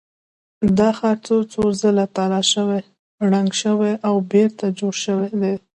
دا ښار څو څو ځله تالا شوی، ړنګ شوی او بېرته جوړ شوی دی.